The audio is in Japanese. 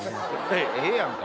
ええやんか。